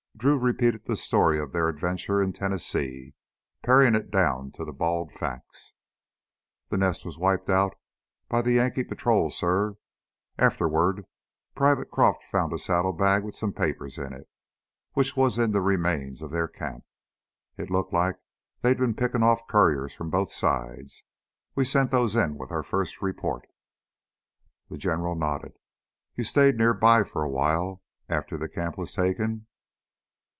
Drew repeated the story of their adventure in Tennessee, paring it down to the bald facts. "That nest was wiped out by the Yankee patrol, suh. Afterward Private Croff found a saddlebag with some papers in it, which was in the remains of their camp. It looks like they'd been picking off couriers from both sides. We sent those in with our first report." The General nodded. "You stayed near by for a while after the camp was taken?"